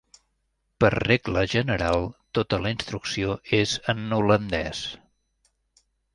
Per regla general, tota la instrucció és en holandès.